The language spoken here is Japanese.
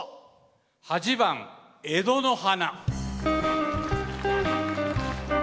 ８番「江戸の花」。